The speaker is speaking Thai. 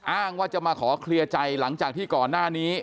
อ้างว่าจะมาขอเคลียร์ใจหลังจากที่ก่อนหน้านี้